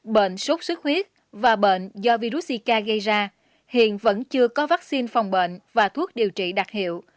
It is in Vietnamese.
bệnh sốt sốt huyết và bệnh do virus zika gây ra hiện vẫn chưa có vắc xin phòng bệnh và thuốc điều trị đặc hiệu